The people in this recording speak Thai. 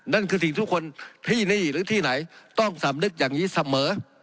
นั่นคือสิ่งทุกคนที่นี่หรือที่ไหนต้องสำนึกอย่างนี้เสมอ